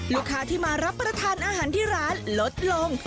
ลูกค้าที่มารับประทานอาหารที่ร้านลดลง